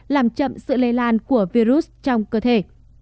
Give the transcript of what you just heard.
làm chậm sự lây lan của virus trong cơ thể